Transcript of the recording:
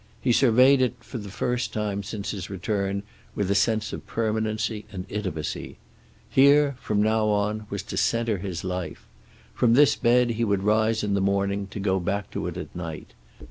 He surveyed it for the first time since his return with a sense of permanency and intimacy. Here, from now on, was to center his life. From this bed he would rise in the morning, to go back to it at night.